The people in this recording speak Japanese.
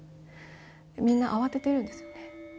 みんな慌ててるんですよね。